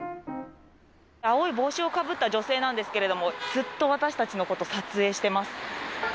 青い帽子をかぶった女性なんですけれども、ずっと私たちのこと、撮影してます。